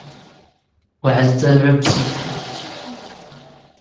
Угӏаздзыргӏвы бзита.